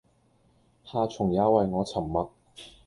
夏蟲也為我沉默